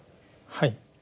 はい。